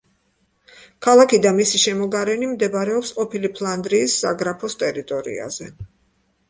ქალაქი და მისი შემოგარენი მდებარეობს ყოფილი ფლანდრიის საგრაფოს ტერიტორიაზე.